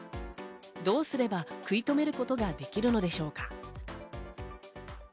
どうすれば食い止めることができるのでしょうか。